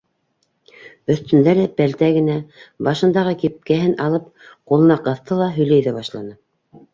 Өҫтөндә лә пальтә генә, башындағы кипкәһен алып, ҡулына ҡыҫты ла һөйләй ҙә башланы.